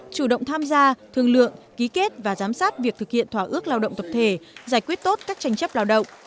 chủ động tham gia thương lượng ký kết và giám sát việc thực hiện thỏa ước lao động tập thể giải quyết tốt các tranh chấp lao động